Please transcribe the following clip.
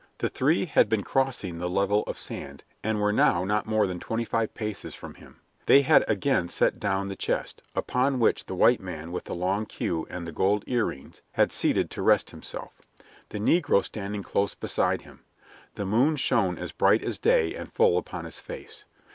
The three had been crossing the level of sand, and were now not more than twenty five paces from him. They had again set down the chest, upon which the white man with the long queue and the gold earrings had seated to rest himself, the negro standing close beside him. The moon shone as bright as day and full upon his face.